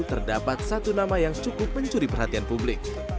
terdapat satu nama yang cukup mencuri perhatian publik